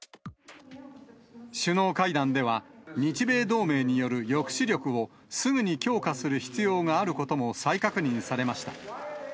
首脳会談では、日米同盟による抑止力をすぐに強化する必要があることも再確認さ